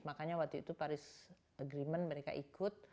makanya waktu itu paris agreement mereka ikut